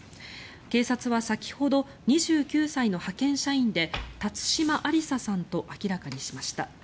警察は先ほど２９歳の派遣社員で辰島ありささんと明らかにしました。